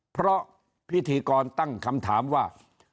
เพราะพิธีกรตั้งคำถามว่า